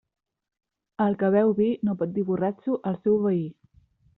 El que beu vi no pot dir borratxo al seu veí.